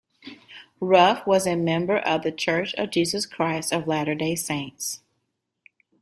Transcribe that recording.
Ruff was a member of the Church of Jesus Christ of Latter-day Saints.